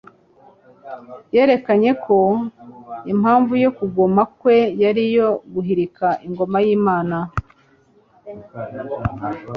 Yerekanye ko impamvu yo kugoma kwe yari iyo guhirika Ingoma y'Imana,